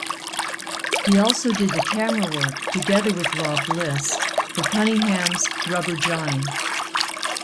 He also did the camerawork, together with Rob Bliss, for Cunningham's "Rubber Johnny".